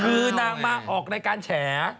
คือนางมาออกรายการแฉ